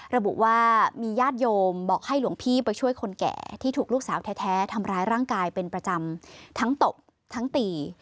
ระบุว่ามีญาติโยมบอกให้หลวงพี่ไปช่วยคนแก่ที่ถูกลูกสาวแท้ทำร้ายร่างกายเป็นประจำทั้งตบทั้งตี